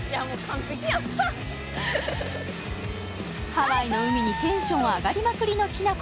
ハワイの海にテンション上がりまくりのきなこ